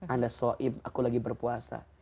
anda soim aku lagi berpuasa